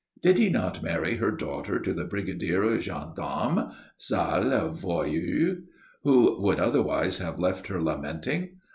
Did he not marry her daughter to the brigadier of gendarmes (sale voyou!), who would otherwise have left her lamenting?